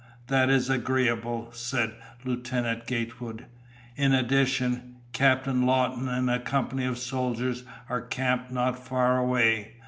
"That is agreeable," said Lieutenant Gatewood. "In addition, Captain Lawton and a company of soldiers are camped not far away.